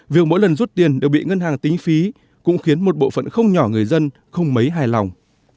việc mỗi lần rút tiền đều bị ngân hàng tính phí cũng khiến một bộ phận không nhỏ người dân không mấy hài lòng